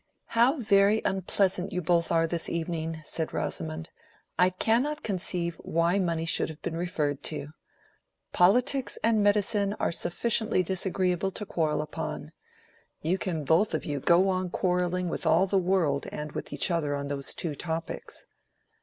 "How very unpleasant you both are this evening!" said Rosamond. "I cannot conceive why money should have been referred to. Politics and Medicine are sufficiently disagreeable to quarrel upon. You can both of you go on quarrelling with all the world and with each other on those two topics."